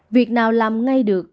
việc nào làm ngay được